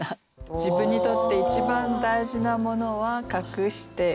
自分にとって一番大事なものは隠して映らない。